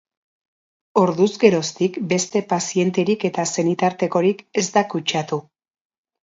Orduz geroztik, beste pazienterik eta senitartekorik ez da kutsatu.